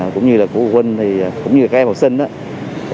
cũng như là của vuiaty cũng như cho các học sinh đó